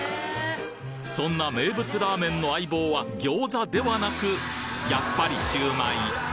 そんな名物ラーメンの相棒は餃子ではなくやっぱりシュウマイ！